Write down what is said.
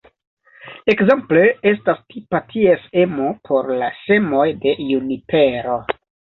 Ekzemple estas tipa ties emo por la semoj de junipero.